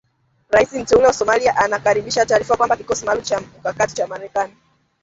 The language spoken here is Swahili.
Rais mteule wa Somalia anakaribisha taarifa kwamba kikosi maalum cha mkakati cha Marekani